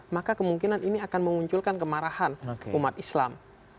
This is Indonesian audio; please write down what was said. maka kemungkinan ini akan memunculkan kemarahan umat islam